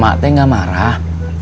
mak teh gak marah